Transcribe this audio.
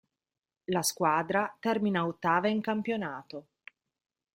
La squadra termina ottava in campionato.